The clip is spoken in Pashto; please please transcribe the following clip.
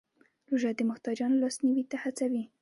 روژه د محتاجانو لاسنیوی ته هڅوي.